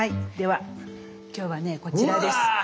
では今日はねこちらです。